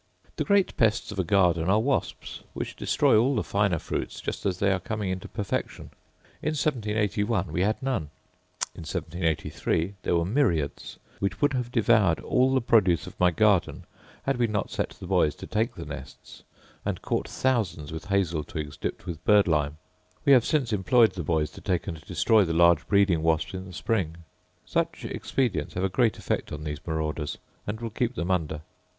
The great pests of a garden are wasps, which destroy all the finer fruits just as they are coming into perfection. In 1781 we had none; in 1783 there were myriads; which would have devoured all the produce of my garden, had not we set the boys to take the nests, and caught thousands with hazel twigs tipped with bird lime: we have since employed the boys to take and destroy the large breeding wasps in the spring. Such expedients have a great effect on these marauders, and will keep them under.